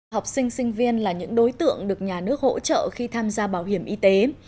học sinh sinh viên là những đối tượng được nhà nước hỗ trợ khi tham gia bảo hiểm y tế